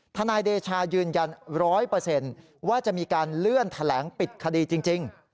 ทนายเดชายืนยันร้อยเปอร์เซ็นต์ว่าจะมีการเลื่อนแถลงปิดคดีจริง